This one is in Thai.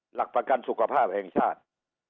หลักประกันสุขภาพแห่งชาติ